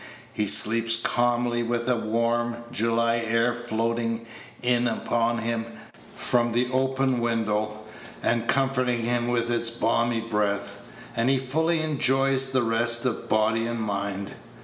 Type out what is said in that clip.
He sleeps calmly, with the warm July air floating in upon him from the open window, and comforting him with its balmy breath, and he fully enjoys that rest of body and mind.